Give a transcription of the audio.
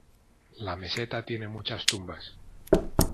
La meseta tiene muchas tumbas.